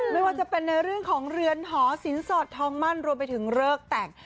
ไม่ว่าจะเป็นในเรื่องของเรือนหอสินสอดทองมั่นรวมไปถึงเลิกแต่ง